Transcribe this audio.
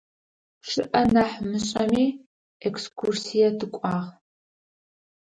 Чъыӏэ нахь мышӏэми, экскурсие тыкӏуагъ.